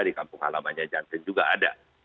di kampung halamannya jansen juga ada